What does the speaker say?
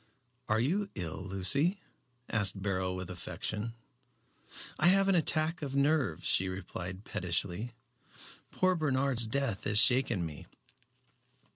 "Are you ill, Lucy?" asked Beryl, with affection. "I have an attack of nerves," she replied pettishly. "Poor Bernard's death has shaken me."